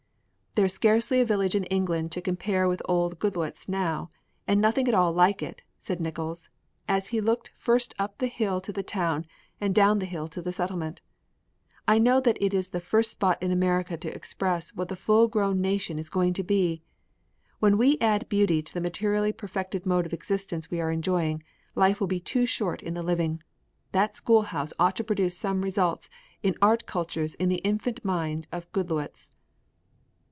"There is scarcely a village in England to compare with old Goodloets now, and nothing at all like it," said Nickols, as he looked first up the hill to the Town and down the hill to the Settlement. "I know that it is the first spot in America to express what the full grown nation is going to be. When we add beauty to the materially perfected mode of existence we are enjoying, life will be too short in the living. That schoolhouse ought to produce some results in art cultures in the infant mind of Goodloets."